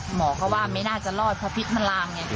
หมอก็ว่าไม่น่าจะรอดเพราะพิษมันลามไง